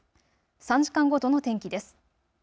３時間ごとの天気です。